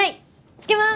つけます。